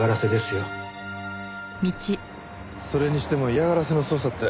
それにしても嫌がらせの捜査って。